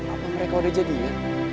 apa mereka udah jadinya